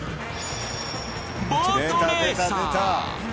ボートレーサー。